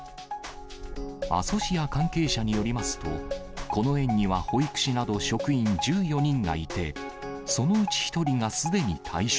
阿蘇市や関係者によりますと、この園には保育士など職員１４人がいて、そのうち１人がすでに退職。